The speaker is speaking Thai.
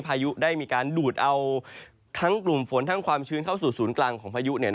พายุได้มีการดูดเอาทั้งกลุ่มฝนทั้งความชื้นเข้าสู่ศูนย์กลางของพายุ